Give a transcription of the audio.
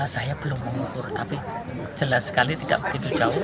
saya belum mengukur tapi jelas sekali tidak begitu jauh